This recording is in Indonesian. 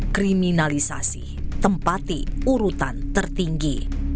kriminalisasi tempati urutan tertinggi